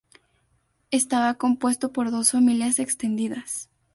Estaba compuesto por dos familias extendidas.